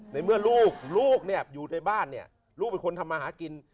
ในเมื่อลูกลูกเนี่ยอยู่ในบ้านเนี่ยลูกเป็นคนทำมาหากิน